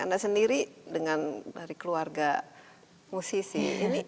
anda sendiri dari keluarga musisi